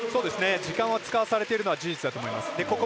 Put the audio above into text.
時間は使わされているのは事実だと思います。